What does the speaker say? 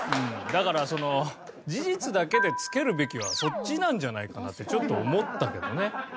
だからその事実だけでつけるべきはそっちなんじゃないかなってちょっと思ったけどね。